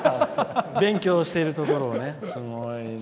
勉強しているところを。